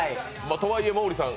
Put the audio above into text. とはいえ、毛利さん